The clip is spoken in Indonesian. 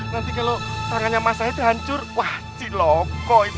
nanti kalau tangannya masahit hancur wajih loko itu